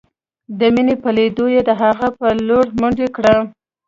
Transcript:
د مينې په ليدو يې د هغې په لورې منډه کړه.